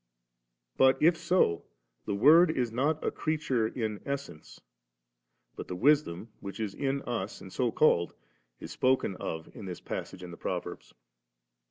But if so, the Word is not a creature in essence'^; but the wisdom which is in us and so called, is spoken of in this passage in the Proverbs.